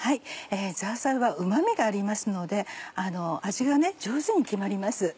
ザーサイはうま味がありますので味が上手に決まります。